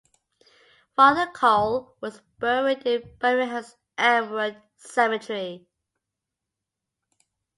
Father Coyle was buried in Birmingham's Elmwood Cemetery.